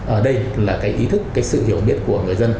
ở đây là cái ý thức cái sự hiểu biết của người dân